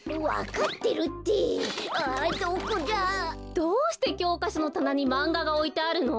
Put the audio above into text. どうしてきょうかしょのたなにマンガがおいてあるの？